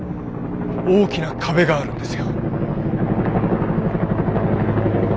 大きな壁があるんですよ。